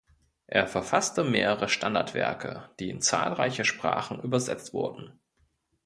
Er verfasste mehrere Standardwerke, die in zahlreiche Sprachen übersetzt wurden.